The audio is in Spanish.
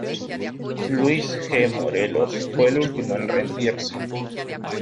Luis G. Morelos fue el último en rendirse.